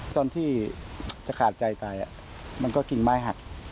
ตอนที่จะขาดใจไปมันก็กิ่งไม้หัก